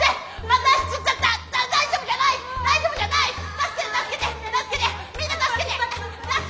助けて助けて！